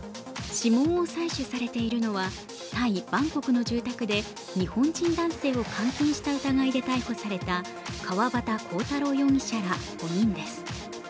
指紋を採取されているのはタイ・バンコクの住宅で日本人男性を監禁した疑いで逮捕された川端浩太郎容疑者ら５人です。